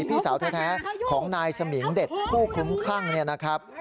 พี่สาวแท้ของนายสมิงเด็ดผู้คุ้มคลั่งเนี่ยนะครับ